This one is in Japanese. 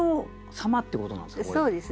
そうですね。